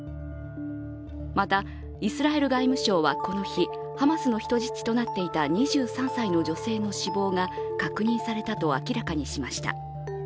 またイスラエル外務省は、この日ハマスの人質となっていた２３歳の女性の死亡が確認されたと明らかにしました。